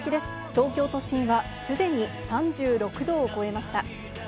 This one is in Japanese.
東京都心はすでに３６度を超えました。